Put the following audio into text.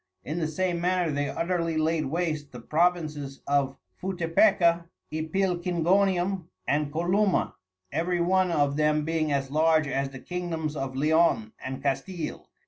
In the same manner they utterly laid wasate the Provinces of Futepeca, Ipilcingonium and Columa, every one of them being as large as the Kingdoms of Leon, and Castile.